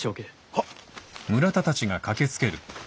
はっ！